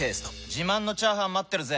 自慢のチャーハン待ってるぜ！